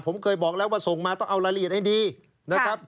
ผมเคยบอกแล้วว่าส่งมาต้องเอารายละเอียดให้ดีนะครับ